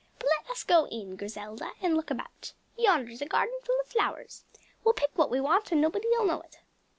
But let us go in, Griselda, and look about. Yonder's a garden full of flowers. We'll pick what we want and nobody'll know it."